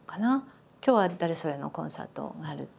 今日は誰それのコンサートがあるって。